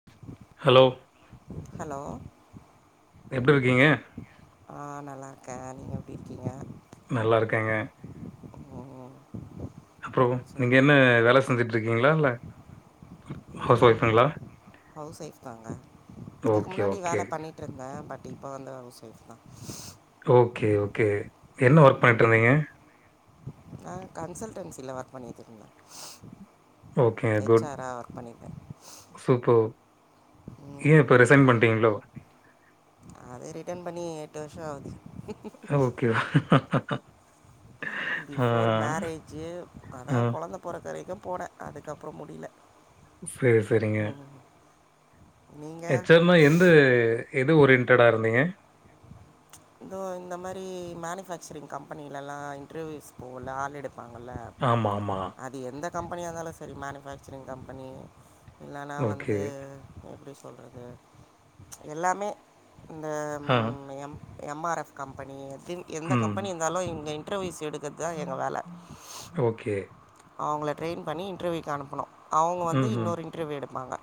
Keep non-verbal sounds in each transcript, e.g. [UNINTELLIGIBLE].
[UNINTELLIGIBLE] Hello hello எப்டி இருக்கீங்க ஆ நல்லாருக்கே நீங்க எப்டி இருக்கீங்க நல்லா இருக்கேங்க ம் அப்றோ நீங்க சொல்லுங்க என்ன வேல செஞ்சிட் இருக்கீங்களா இல்ல இல்ல ஹவுஸ் இல்ல ஒய்ஃப்ங்களா? ஹவுஸ் ஒய்ஃப் தாங்க இதுக்கு ஓகே, முன்னாடி ஓகே. வேல பண்ணிட் ருந்தே பட் இப்ப வந்து ஹவுஸ் ஒய்ஃப் தா ஓகே ஓகே என்ன ஒர்க் பண்ணிட்ருந்தீங்க நா கன்சல்டன்சில ஒர்க் பண்ணிட்ருந்தே ஓகே குட் சூப்பர் ஏ இப்ப ம், ரிசன் பண்ட்டிங்ளோ அது ரிட்டன் பண்ணி எட்டு வருஷ ஆவுது ஓகே ஆ, பிஃபோர் மேரேஜி ஆனா ஆ. கொழந்த பொறக்கர வரைக்கு போனே அதுக்கப்றோ முடில சேரி செரிங்க நீங்கள் எஹச் ஆர்னா எந்த எது ஒரியன்டடா இருந்தீங்க இதோ இந்த மாரி மேனிஃபேக்சரின் கம்பெனிலலா இன்ட்ருவியூஸ் போவுல ஆள் எடுப்பாங்கள ஆமா ஆமா அது எந்த கம்பெனியா இருந்தாலு செரி மேனிஃபேக்சரிங் கம்பெனி இல்லன்னா ஓகே. வந்து எப்டி சொல்றது எல்லாமே இ இந்த ஆ. ம் எம்ப் M R F company thing எந்த ம். கம்பெனி இருந்தாலு இங்க ன்ட்ருவியூஸ் எடுக்குறது தா எங்க வேல ஓகே அவங்கள ட்ரெயின் பண்ணி இன்ட்ருவியூக்கு அனுப்புனு அவுங்க வந்து ம்ஹ்ம். இன்னொரு இன்ட்ருவியூ எடுப்பாங்க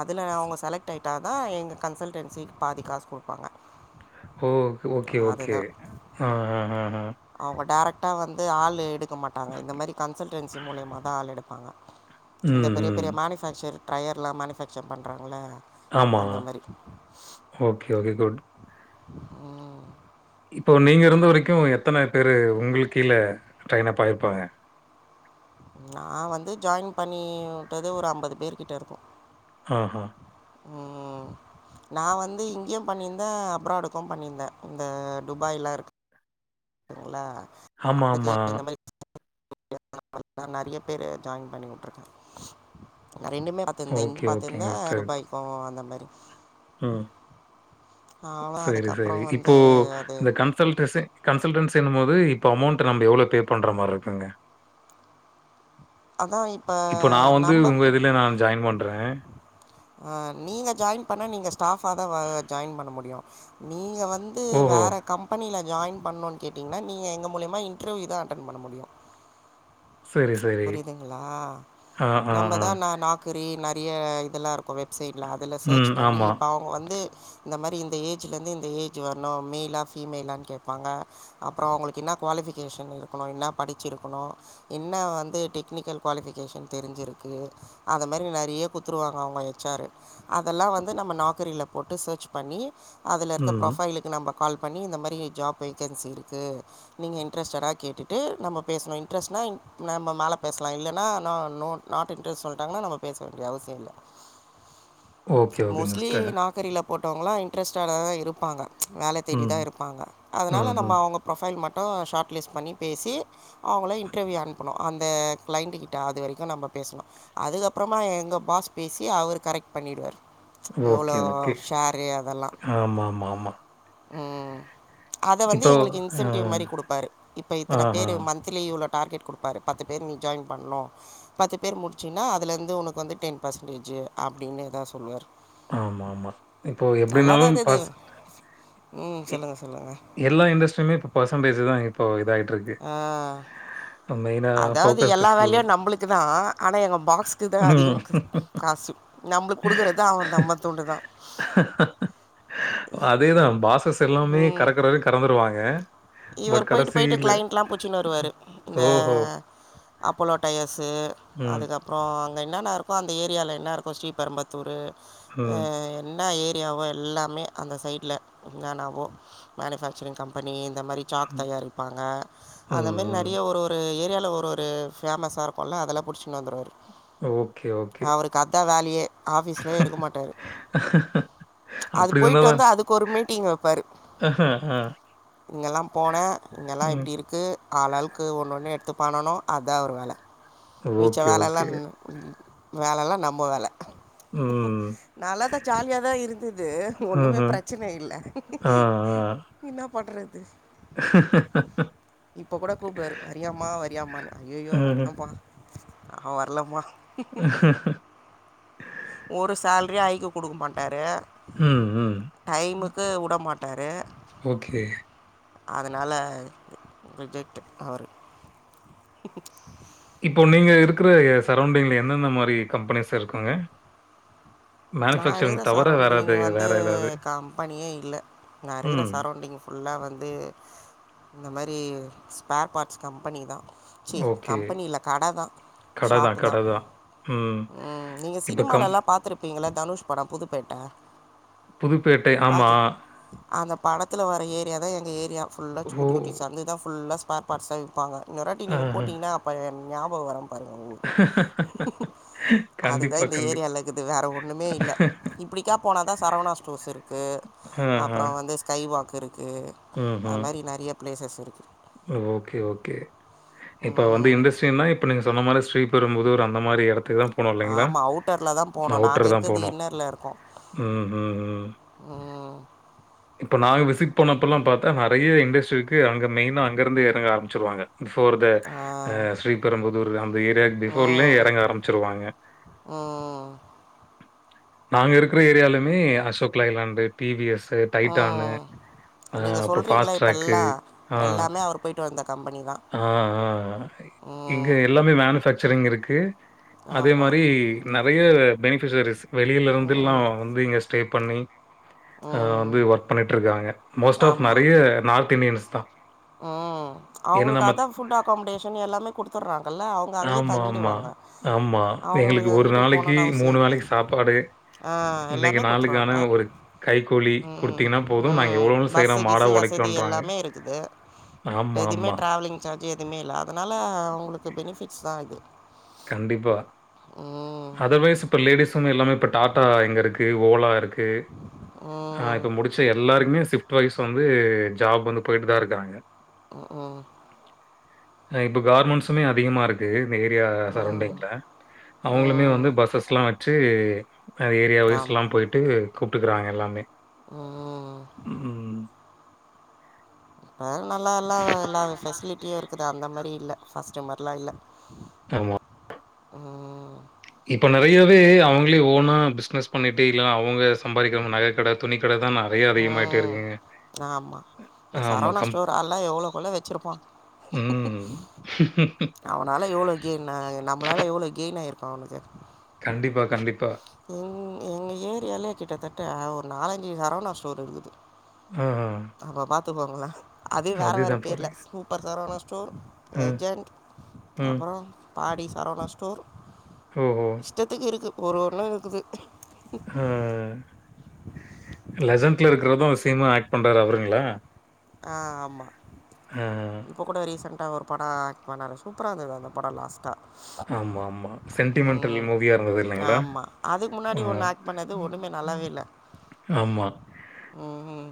அதுல அவங்க செலக்ட் ஆயிட்டா தா எங்க கன்சல்டன்சிக்கு பாதிக்காசு குடுப்பாங்க ஓ ஓகே ஓகே ஓகே ஆ ஆ ஆ அவங்க ரேரெக்டா வந்து ஆள் எடுக்க மாட்டாங்க இந்த மாரி கன்சல்டன்சி முலியமா தா ஆள் எடுப் ஆ இந்த ம், பெரிய ம். பெரிய மேனிஃபேக்சர் ட்ரையர்லா மேனிஃபேக்சர் பண்றாங்கள ஆமா ஓகே வெரிகுட் ம். இப்போ நீங்க இருந்த வரைக்கு எத்தன பேரு உங்ளுக் கீழ ட்ரெயின்அப் ஆயிருப்பாங்க நா வந்து ஜாயின் பண்ணி உட்டது ஒரு அம்பது பேர் கிட்ட இருக்கு ஆஹா நா வந்து இங்யு பண்ணிந்தே அப்ராடுக்கு பண்ணிந்தே இந்த துபாய்லா இருக் குல அதுக்கு ஆமாமா. இந்த மாரி நா நெறைய பேர ஜாயின் பண்ணி உட்ருக்கே ரெண்டுமே பாத் திருந்தே இங்கி ஓகே, ஓகேங்க பாத்திருந்தே சிஸ்டர். துபாய்க்கு அந்த மாரி ம் அவன் சேரி சேரி அதுக்கப்புறம் இப்போ வந்து அது இந்த கன் கன்சல்டன்சிங் கன்சல்டன்சின்னும்மோது இப்போ அமௌண்ட் நம்ம எவ்ளோ பே பண்ற மாரி இருக்குங்க அதான் இப்போ இப்ப நா வந்து நம்ம உங்க இதுல நா ஜாயின் பண்றே ஆ நீங்க ஜாய்ன் பண்ணா நீங்க ஸ்டாஃபா தா ஜாய்ன் பண்ண முடியு நீங்க வந் வந்து ஓஹோ! வேற கம்பெனில ஜாயின் பண்ணுன் கேட்டீங்கன்னா நீங்க எங்க மூலயமா இன்டர்வியூதா அட்டென் பண்ண முடியு சரி, சரி. புரிதுங்ளா ஆ, ஆ, ஆ. நம்பதா நா நா கிரி நறைய இதெல்லா இருக்கு வெப்சைட்லா அதுல செர்ச் ம். பண்ணி ஆமா. இப்ப அவுங்க வந்து இந்த மாரி இந்த ஏஜ்லேருந்து இந்த ஏஜ் வர்ணு மேலா ஃபிமேலான்னு கேப்பாங்க அப்புறோ அவுங்குளுக்கு என்ன குவாலிஃபிகேஷன் இருக்கணு என்ன படிச்சு இருக்கணு என்ன வந்து டெக்னிக்கல் குவாலிஃபிகேஷன் தெரிஞ்சிருக்கு அந்த மாரி நறைய குத்துருவாங்க அவுங்க ஹெச் ஆரு அதெல்லா வந்து நம்ம நாக்கரியில போட்டு செர்ச் பண்ணி அதுல இருக்க ம். ப்ரொபைலுக் நம்ப கால் பண்ணி இந்த மாரி ஜாப் வேக்கன்சி இருக்கு நீங்க இன்ட்ரெஸ்ட்டடா கேட்டுட்டு நம்ம பேசுணு இன்ட்ரெஸ்ட் நா இன் நம்ம மேல பேசலா இல்லன்னா நா நோ நாட் இன்ட்ரெஸ்ட் சொல்ட்டாங்கன்னா நம்ம பேச வேண்டிய அவசியோ இல்ல ஓகே, ஓகேங்க மோஸ்ட்லி சிஸ்டர். நாக்கரில போட்டவங்களா இன்ட்ரெஸ்ட்டடாதா இருப்பாங்க வேல தேடிதா ம். இருப்பாங்க அதனால ம், நம்ம ம். அவுங்க ப்ரொஃபைல் மட்டு ஷார்ட் லிஸ்ட் பண்ணி பேசி அவுங்கள இன்டர்வியூ அனுப் அந்த கிளைண்டு கிட்ட அது வரிக்கு நம்ம பேசுனு அதுக்கப்புறமா எங்க பாஸ் பேசி அவரு கரெக்ட் பண்ணிடுவாரு ஓகே ஓகே ஆமா ஆமா ஆமா ம் அத வந்து இப்போ எங்களுக்கு ஆ. இன்சென்டிவ் மாரி குடுப்பாரு இப்ப இத்தன ஆஹா. பேரு மந் லி இவ்ளோ டார்கெட் குடுப்பாரு பத்து பேர் நீ ஜாயின் பண்ணு பத்து பேர் முடிச்சுன்னா அதுல இருந்து உனக்கு வந்து டென் பர்சன்டேஜு அப்டின்னுதா சொல்லுவார் ஆமா ஆமா இப்போ எப்டி நல்லா இருந்தாலு தான் இருந்தது பஸ் ம் சொல்லுங்கள் சொல்லுங்கள் எல்லா இன்டஸ்ட்ரியுமே இப்போ பர்சன்டேஜ்தா இப்போ இதா ஆய்ட்ருக்கு ஆ அதாவ்து ஃபோக்கஸ்டு எல்லா ஃபுல் வேலையு நம்புளுக்குதா ஆனா எங்க பாக்ஸ்க்குதா அதிகோ ம். காசு நம்பளுக் குடுக்கறத அவுங் அதேதா பாஸு எல்லாமே கறக்கறது கறந்துருவாங்க இவரு பட் போய்ட்டு போய்ட்டு கடைசியில க்ளைண்ட்லா புச்சின்னு வருவாரு இந்த ஓஹோ! அப்போலோ டயர்ஸு ம், அதுக்கப் ப்றோ அங்க என்னென்ன இருக்கோ அந்த ஏரியால என்ன இருக்கோ ஸ்ரீபெரம்பத்தூரு ஆ ம், என்ன ஏரியாவோ எல்லாமே அந்த சைட்ல என்னானவோ மேனுஃபேக்சரிங் கம்பெனி இந்த மாரி சாக் ம், தயாரிப்பாங்க அந்த மாரி ம். நெறைய ஒரு ஒரு ஒரு ஏரியால ஒரு ஒரு ஃபேமஸா இருக்கும்ல அதெல்லா புடிச்சுனு வந்துருவாரு ஓகே, ஓகே. அவருக்கு அதா வேலயே ஆஃபீஸ்லயே இருக்க மாட்டாரு அது அப்டி இருந்தா போய்ட்டு தான் வந்து அதுக்கு ஒரு மீட்டிங் வெப்பாரு ஆஹா, ஆ, இங்கெல்லா போனே இங்கெல்லா ம். இப்டி இருக்கு ஆள் ஆளுக்கு ஒன்னு ஒன்னு எடுத்து பண்ணனு அத்தா அவரு வேல மிச்ச ஓகே, வேலலா ஓகே. வேலலா நம்ம வேல ம். நல்லாதா ஜாலியாதா இருந்தது ஒன்னுமே ம்ஹ்ம். ப்ரச்சன இல்ல ஆ, ஆ. என்னா பண்றது இப்ப கூட கூப்டுவாரு வரியாமா வரியாமா ஐயய்யோ வேணாம்பா நா வர்லம்மா ம்ஹ்ம். ஒரு சேல்ரியு ஐக்கு குடுக் மாட்டாரு ம் ம் டைமுக்கு வுட மாட்டாரு ஓகே அதனால ரிஜெக்ட்டு அவரு இப்போ நீங்க இருக்குற எ சரௌண்டிங்ல என்னென்ன மாரி கம்பெனிஸ் இருக்குங்க நா இருக்குற மேனுஃபேக்சரிங் தவிர வேற சரௌண்டிங் எது வந்து வேற ஏதாவது? கம்பனியே இல்ல நா இருக்குற ம். சரௌண்டிங்ஸ் ஃபுல்லா வந்து இந்த மாரி ஸ்பேர் பாட்ஸ் கம்பெனி தா ச்சீ ஓகே. கம்பெனியில்ல கட தா கடை தான், ஷாப்பு தா கடை தான். ம் நீங்க இப்ப கம் சினிமாலெல்லா பாத்ருபீங்கல்ல தனுஷ் பட புதுப்பேட்ட புதுப்பேட்டை ஆமா அந்த படத்தில வர்ற ஏரியா தா எங்க ஏரியா ஃபுல்லா சு ஓ! குட்டி குட்டி சந்துதா ஃபுல்லா ஸ்பேர் பாட்ஸ்தா விப்பாங்க இன்னொரு வாட்டி நீங்க ஆஹ. போட்டீங்னா அப்போ எ ஞாபகோ வரு பாருங்க உங்குளுக் அதுதா கண்டிப்பா, இந்த கண்டிப்பா. ஏரியாலலிக்கிது வேற ஒன்னுமே இல்ல இப்டிக்கா போனா தா சரவணா ஸ்டோர்ஸ் இருக்கு ஆஹ. அப்றோ வந்து ஸ்கை வாக் இருக்கு அந் ம்ஹ்ம். மாரி நெறைய ப்ளேசஸ் இருக்கு ஓகே ஓகே இப்ப வந்து இண்டஸ்ட்ரின்னா இப் ப்ப நீங்க சொன்ன மாரி ஸ்ரீபெரும்புதூர் அந்த மாரி எடத்துக் தா போனு ஆமா அவுட்டர்ல தா போனு நாங்க இருக்கற்து போணும். இன்னர்ல இருக்கோ ம் ம் ம் இப்ப நாங்க விசிட் பண்ணப்பல்லா பாத்தா நெறைய இண்டஸ்ட்ரிருக்கு அங்க மெயின்னா அங்க இருந்து எறங்க ஆரம்பிச்சிருவாங்க பிஃபோர் த அ ஸ்ரீபெரும்புதூர் அந்த ஏரியாக் பிஃபோர்லயே எறங்க ஆரம்பிச்சிருவாங்க ஆ நாங்க இருக்குற ஏரியாலயுமே Ashok Leyland T V S ஸு அ நீங்க சொல்றீங்கள ஃபாஸ்ட் ட்ராக் இப்பெல்லா எல்லாமே அவர் போயிட்டு வந்த கம்பெனி தா அ அ அ இங்க எல்லாமே மேனுஃபேக்ச்சரிங் இருக்கு அதே ஆமாம் மாரி நெறைய பெனிஃபிஷரிஸ் வெளியில இருந்துல்லா வந்து இங்க ஸ்டே பண்ணி அ வந்து ஒர்க் பண்ணிட்ருக்காங்க மோஸ்ட் ஆஃப் நெறைய நார்த் இண்டியன்ஸ் தா அ அவுங்குளுக் அதா ஃபுட் அகாமடேஷன் எல்லாமே குடுத்தட்றாங்கல்ல அவுங் க அங்கயே ஆமா, ஆமா, தங்கிடுவாங்க ஆமா. எங்களுக்கு அவுங்குளுக் வீட்டுக் நாளைக்கு போனுன் அவுசியோ இல்லயே வேளைக்கு சாப்பாடு. அ இன்னைக்கு எல்லாமே நாளுக்கான குத்துருவாங்க ஒரு கைக்கூலி ம் குடுத்தீங்கன்னா போதும். நாங்க ம் எவ்வளோ வேணாலும் பஸ்ஸு செய்றோம். மாடா கிஸ்ஸு வஸ் இது உழைக்கிறோன்றாங்க. எல்லாமே இருக்குது ஆமா, எதுமே ஆமா. ட்ராவ்லிங் சார்ஜு எதுமே இல்ல அதனால அவுங்களுக்கு பெனிஃபிட்ஸ் தா இது கண்டிப்பா ம் அதர்வைஸ் இப்ப லேடிஸு எல்லாமே இப்ப டாடா இங்க இருக்கு ஓலா இருக் கு அ ம் இப்ப முடிச் ச்ச எல்லாருமே வந்து ஷிஃப்ட் வைஸ் வந்து ஜாப் வந்து போயிட்டு தா இருக்காங்க ம் ம் அ இப்போ கார்மெண்ட்ஸுமே அதிகமா இருக்கு இந்த ஏரியா ம் சரவுண்டிங்ல அவங்களுமே வந்து ம் பஸ்ஸஸ்லா வெச்சு அ ஏரியா வைஸ்ல்லா ஆமாம் போய் ட்டு கூப்ட்டுக்குறாங் எல்லாமே ம் ம் ஆ நல்லாலா எல்லா ஃபெசிலிட்டியு இருக்குது அந்த மாரி இல்ல ஃபர்ஸ்ட்டு மாரில்லா இல்ல ஆமா இப்ப நறையவே அவுங்ளே ஓனா பிஸ்னஸ் பண்ணிட்டு இல்லனா அவுங்க சம்பாரிக்கிற நக கட துணி கட தான ம் ஆமா இந்த ஆமா. சரவணா கம் ஸ்டோர் ஆள்ளா எவ்ளோக்கொள்ள வெச்சிருப்பா ம். அவனால எவ்ளோ கெயின்ன நம்மளால எவ்ளோ கெயின் ஆயிருக்கோ அவனுக்கு கண்டிப்பா கண்டிப்பா எங் எங்க ஏரியாலே கிட்டத்தட்ட ஒரு நாலஞ்சு சரவணா ஸ்டோர் இருக்குது ம் எம்பா பாத்துப்பாங்கள அதே வேற வேற அதுதான் பேர்ல் பாருங்க. சூப்பர் சரவணா ஸ்டோர் ம், லெஜண்ட் ம். அப்பற பாடி சரவணா ஸ்டோர் ஓஓ இஷ்டத்துக்கு இருக்கு கொரு ஒன்னு இருக்குது ம் லெசன்ட்ல இருக்குறது சினிமா ஆக்ட் பண்றாரு அவருங்ளா ஆ ஆமா இப்ப கூட ரீசெண்டாக ஒரு‌பட ஆக்ட் பண்ணார் சூப்பராந்துதுரா அந்த படம் லாஸ்ட்டா ஆமா, ஆமா. சென்டிமெண்டல் ம் மூவியா இருந்தது இல்லைங்களா? ஆமா அதுக்கு ஆ. முன்னாடி ஒன்னு ஆக் பண்ணது ஒன்னுமே நல்லாவே இல்ல ஆமா ம்ஹ்ம்.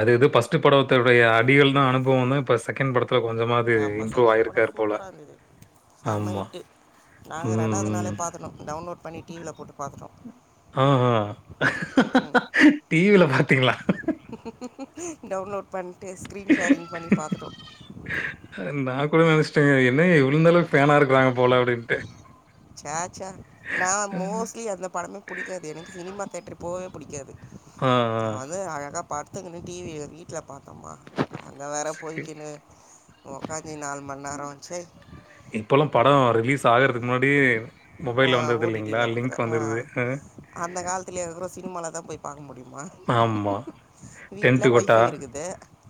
அது இது பஸ்ட் படத்தவுடைய அடிகள் தா அனுபவனு இப்ப ‌செக் செகண்ட் படத்துல கொஞ்சமாது ஆமா இம்ப்ரூவ் செகண்ட் படம் ஆயிருக்கார் போல சூப்பரா இருந்தது. செம்ம ஆமா ஹிட்டு. நாங்க ரெண்டாவது ம். நாளே பாத்துட்டோ டவுன்லோட்‌ பண்ணி டி வி ல போட்டு பாத்துட்டோ ஆஹா ம் ம் டி வி ல பாத்தீங்ளா டவுன்லோட் பண்ட்டு ஸ்க்ரீன் ஷேரிங் பண்ணி பாத்துட்டோ நா கூட நெனைச்சிட்டேங்க என்ன யா இவ்ளோ நல்லா ஃபேனா இருக்கறாங்க போல அப்டின்ட்டு சேச்ச நா மோஸ்ட்லி எந்த படமே புடிக்காது எனக்கு சினிமா தேட்டரு போவே புடிக்காது ஆ, ஆ. அது அழகா படுத்துகினு டி வி வீட்ல பாத்தோம்மா அங்க வேற சரி. போய்க்கினு உக்காஞ்சி நால் மண்நேர சை இப்போலா படோ ரிலீஸ் ஆகிறதுக்கு முன்னாடியே ஓ மொபைல்ல ஓ வந்துருது டி டி இல்லைங்களா? ல வந்துடு லிங்க் ங்க வந்துருது. அ. அந்த காலத்துல எவ்ரு சினிமால தா போய் பாக்க முடியுமா ஆமா. டென்ட் வீட்ல கொட்டா. ஒய்ஃபை இருக்குது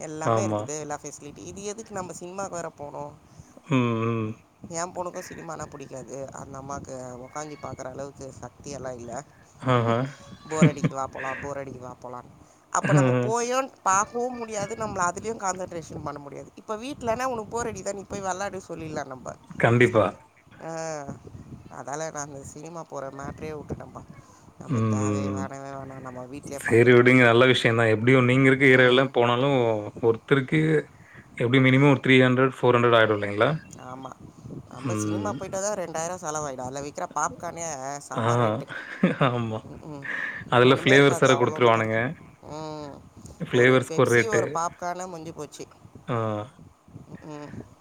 எல்லாமே ஆமா. இருக்குது எல்லா ஃபெசிலிட்டி இது எதுக்கு நம்ம சினிமாவுக்கு வேற போணு ம் ம் எ பொண்ணுக்கு சினிமானா புடிக்காது அந்த அம்மாக்கு உக்காஞ்சி பாக்குற அளவுக்கு சக்தியெல்லா இல்ல ஆஹ. போர் அடிக்குது வாப் போலா போர் அடிக்குது வாப் போலா அப்ப நம்ம போயு பாக்கவு முடியாது நம்பிள அதுலயு கான்சன்ரேஷன் பண்ண முடியாது இப்ப வீட்லனா உனக்கு போர் அடிக்குதா நீ போய்‌ வெளாடு சொல்லிலா நம்போ கண்டிப்பா ஆ அதால நாங்க சினிமா போற மேட்ரே வுட்டுடம்ப்பா நமக்கு தேவைய ம் வேணவே வேணா நம்ம வீட்லே சரி பாத்துக்கிலா விடுங்க ம் ம் ஒருத்தருக்கு ம்ம் எப்டியு மினிமம் ஒரு த்ரீ ஹண்ட்ரட் ஃபோர் ஹண்ட்ரட் ஆயிரு ஆமா நம்ப சினிமா போயிட்டாதா ரெண்டாயிரோ செலவாயிடு அந்த வி விக்கிற பாப் கானே ஆ செம ரேட் ஆமா ம் அதுல ஒன்னுமே ஃபிளேவர்ஸ் இருக்காது வேற அவ்ளோண்டு தா குடுத்துருவானுங்க இருக்கும் ம் ஒரு ஃபிளேவர்ஸ்க்கு பெப்சி ரேட்டு ஒரு பாப் கானு முஞ்சி போச்சு ஆ ம் ம்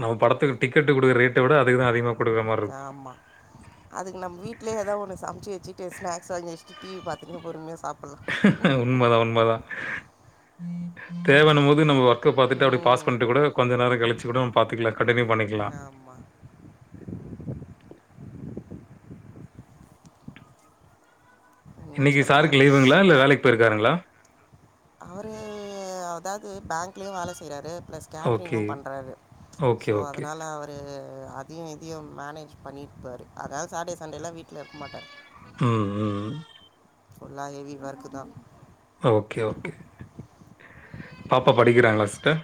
நம்ம படத்துக்கு டிக்கெட்‌ குடுக்குற ரேட்ட விட அதுக்கு‌ தா அதிகமா குடுக்குற மார்ருக்கு ஆமாம் அதுக்கு நம்ம வீட்லே எதா ஒன்னு சமச்சு வச்சுட்டு ஸ்நாக்ஸ் வாங்கி வச்சுட்டு டி வி பாத்துன்னு பொறுமையா சாப் உண்மதா உண்மதா ம் தேவன்னும் போது நம்ம ஒர்க்க பாத்துட்டு அப்டி பாஸ் ம் பண்ட்டு கூட கொஞ்சொ நேரோ கழிச்சு கூட நம்ம பாத்துக்கலா கண்டினியூ பண்ணிக்கலா அம்மா ம் இன்னிக்கு சொல்லுங்கள் சாருக்கு லீவுங்களா இல்ல வேலைக்கு போயிருக்காருங்ளா அவரு அதாவ்து பேங்க்லயு வேல செய்றாரு ப்ளஸ் ஓகே கேட்ரிங்கும பண்றாரு ஓகே சோ ஓகே அதனால அது அதையு இதையு மேனேஜ் பண்ணிப்பாரு அதாவ்து சாட்டே சண்டேலா வீட்ல இருக்க மாட்டாரு ம் ம் ஃபுல்லா ஹெவி ஒர்க் தா ஓகே ஓகே பாப்பா படிக்கிறாங்ளா சிஸ்டர்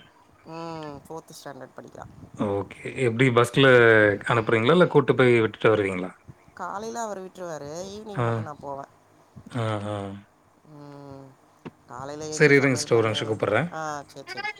ம் ஃபோர்த் ஸ்டாண்டர்ட் படிக்கிறா ஓகே எப்டி பஸ்ல அனுப்புறீங்களா இல்ல கூட்டு போய் விட்டுட்டு வருவீங்களா காலைல அவர் விட்ருவாரு ஆ, ஈவினிங் மட்டு நா போவே ஆ, ஆ. ம் காலைல எஞ்சி சரி இருங்க சமையல் சிஸ்டர் ஒரு நிமிஷம் பண்ணிலா கூப்புடுறேன். ஆ செர் செரி